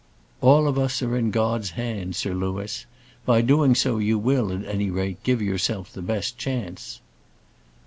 "All of us are in God's hands, Sir Louis. By so doing you will, at any rate, give yourself the best chance."